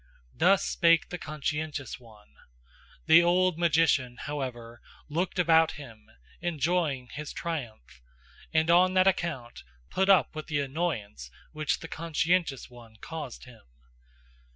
Thus spake the conscientious one; the old magician, however, looked about him, enjoying his triumph, and on that account put up with the annoyance which the conscientious one caused him.